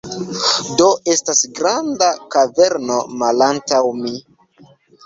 Do, estas granda kaverno malantaŭ mi